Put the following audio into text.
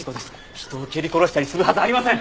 人を蹴り殺したりするはずありません！